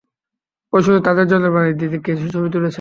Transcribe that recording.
ও শুধু ওদের যন্ত্রপাতি দিয়ে কিছু ছবি তুলেছে।